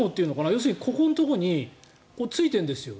要するにここのところについているんですよ